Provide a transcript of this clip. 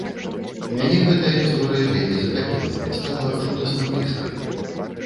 Мяне гэтая гісторыя вельмі захапіла, стала жудасна блізкай.